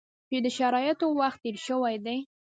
چې د شرایطو وخت تېر شوی دی.